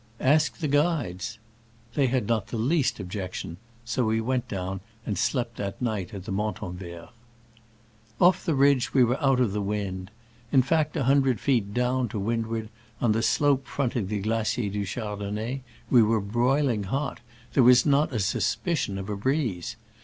"Ask the guides." They had not the least objection ; so we went down, and slept that night at the Montanvert. Off the ridge we were out of the wind. In fact, a hundred feet down to wind ward, on the slope fronting the Glacier du Chardonnet, we were broiling hot: there was not a suspicion of a breeze.